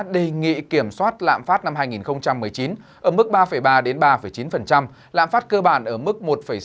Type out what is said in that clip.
đề nghị kiểm soát lạm phát năm hai nghìn một mươi chín ở mức ba ba ba chín lạm phát cơ bản ở mức một sáu một tám